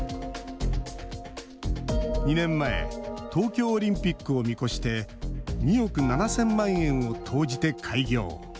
２年前東京オリンピックを見越して２億７０００万円を投じて開業。